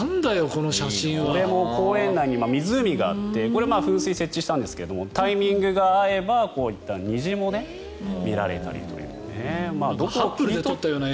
これも公園内に湖があって噴水を設置したんですがタイミングが合えばこういった虹も見られたりというね。